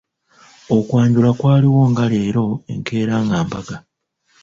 Okwanjula kwaliwo nga leero, enkeera nga mbaga.